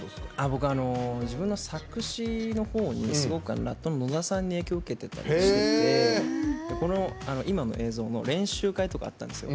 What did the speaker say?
僕自分の作詞のほうにすごくＲＡＤの野田さんに影響を受けて今の映像も練習回とかあったんですよ。